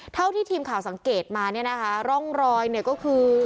เท่าที่ทีมข่าวสังเกตมาร่องรอยก็คือ